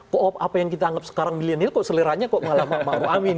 kok apa yang kita anggap sekarang milenial seleranya kok malah pak maruf amin